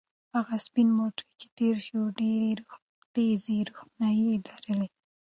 هغه سپین موټر چې تېر شو ډېرې تیزې روښنایۍ لرلې.